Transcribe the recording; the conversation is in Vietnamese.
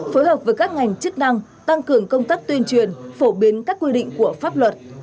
phối hợp với các ngành chức năng tăng cường công tác tuyên truyền phổ biến các quy định của pháp luật